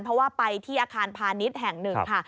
เพราะว่าไปที่อาคารพาณิชย์แห่งหนึ่งค่ะ